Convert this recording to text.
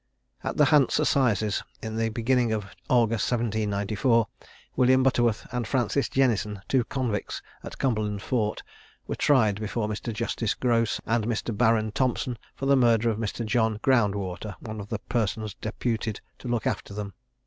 At the Hants assizes, in the beginning of August 1794, William Butterworth and Francis Jennison, two convicts at Cumberland Fort, were tried before Mr. Justice Grose and Mr. Baron Thompson, for the murder of Mr. John Groundwater, one of the persons deputed to look after them.